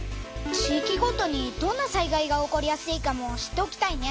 地いきごとにどんな災害が起こりやすいかも知っておきたいね。